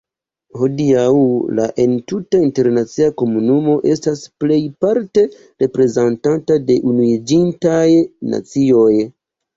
Hodiaŭ la entuta internacia komunumo estas plejparte reprezentata de Unuiĝintaj Nacioj.